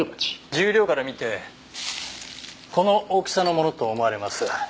重量から見てこの大きさのものと思われます。